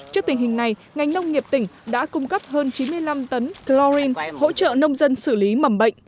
trước tình hình này ngành nông nghiệp tỉnh đã cung cấp hơn chín mươi năm tấn chlorine hỗ trợ nông dân xử lý mầm bệnh